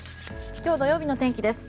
今日土曜日の天気です。